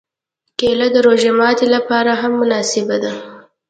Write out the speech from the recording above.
کېله د روژه ماتي لپاره هم مناسبه ده.